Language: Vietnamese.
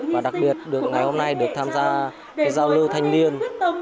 và đặc biệt được ngày hôm nay được tham gia giao lưu thanh niên